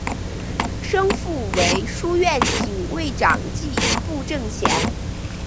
生父为书院警卫长迹部正贤。